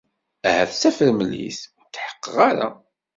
Ahat d tafremlit. Ur tḥeqqeɣ ara.